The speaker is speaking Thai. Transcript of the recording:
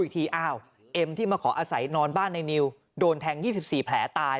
อีกทีอ้าวเอ็มที่มาขออาศัยนอนบ้านในนิวโดนแทง๒๔แผลตาย